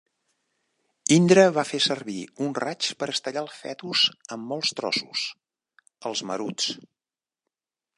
Indra va fer servir un raig per estellar el fetus en molts trossos, els Maruts.